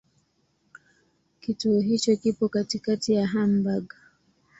Kituo hicho kipo katikati ya Hamburg.